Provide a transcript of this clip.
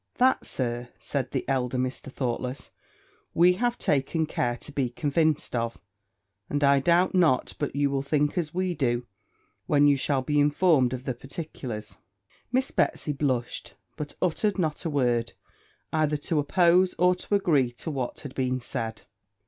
'That, Sir,' said the elder Mr. Thoughtless, 'we have taken care to be convinced of; and I doubt not but you will think as we do, when you shall be informed of the particulars.' Miss Betsy blushed, but uttered not a word, either to oppose or to agree to what had been said.